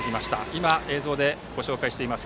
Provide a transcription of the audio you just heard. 今、映像でご紹介しています